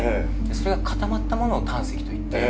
それが固まったものを胆石といって。